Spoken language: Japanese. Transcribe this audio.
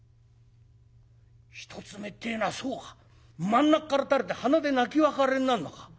一つ目ってえのはそうか真ん中から垂れて鼻で泣き別れになるのか。